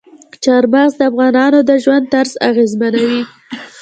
چار مغز د افغانانو د ژوند طرز اغېزمنوي.